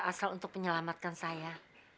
asal untuk menyelamatkan saya